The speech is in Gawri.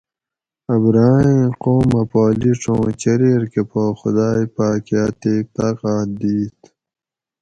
ابرھہ ایں قومہ پا لِیڛ اُوں چریر کہ پا خدائے پاۤکہ اتیک طاۤقاۤت دِیت